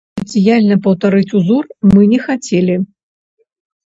Спецыяльна паўтарыць узор мы не хацелі.